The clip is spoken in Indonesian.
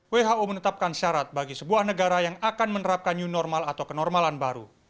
who menetapkan syarat bagi sebuah negara yang akan menerapkan new normal atau kenormalan baru